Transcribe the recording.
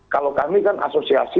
kalau kami kan asosiasi